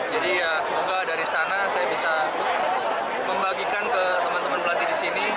jadi ya semoga dari sana saya bisa membagikan ke teman teman pelatih di sini